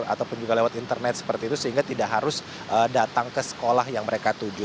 ataupun juga lewat internet seperti itu sehingga tidak harus datang ke sekolah yang mereka tuju